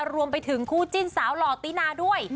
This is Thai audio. รวมไปถึงคู่จิ้นสาวหล่อตินาด้วย